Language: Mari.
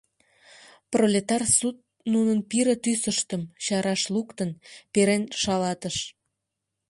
Пролетар суд нунын пире тӱсыштым, чараш луктын, перен шалатыш.